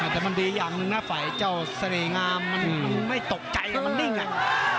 แต่มันดีอย่างหนึ่งนะฝ่ายเจ้าเสน่หงามมันไม่ตกใจมันนิ่งอ่ะ